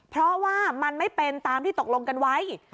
เพราะว่ามันไม่เป็นตามที่ตกลงกันไว้